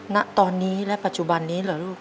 ณตอนนี้และปัจจุบันนี้เหรอลูก